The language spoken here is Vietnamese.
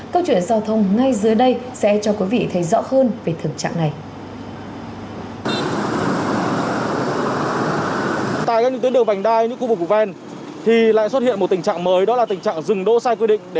câu chuyện giao thông ngay dưới đây sẽ cho quý vị thấy rõ hơn về thực trạng này